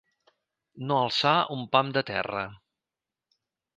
No alçar un pam de terra.